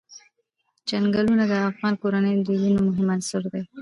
چنګلونه د افغان کورنیو د دودونو مهم عنصر دی.